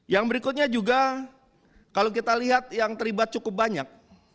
yang berikutnya juga kalau kita lihat yang terlibat cukup banyak